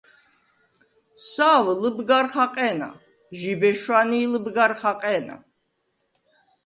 სავ ლჷბგარ ხაყე̄ნა, ჟიბე შვანი̄ ლჷბგარ ხაყე̄ნა.